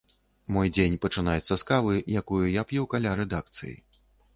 Мой дзень пачынаецца з кавы, якую я п'ю каля рэдакцыі.